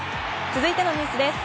続いてのニュースです。